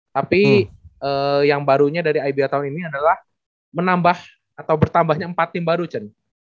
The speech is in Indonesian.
tapi yang barunya dari ibl tahun ini adalah menambah atau bertambahnya empat tim baru cen